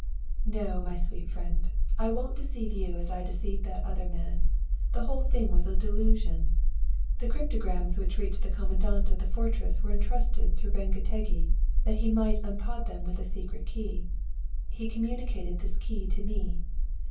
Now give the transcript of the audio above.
"No, my sweet friend! I won't deceive you as I deceived that other man. The whole thing was a delusion. The cryptograms which reached the Commandant of the fortress were entrusted to Rengetegi, that he might unpod them with a secret key. He communicated this key to me.